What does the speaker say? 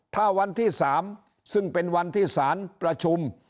ถ้าวันที่๓ซึ่งเป็นวันที่สารประชุม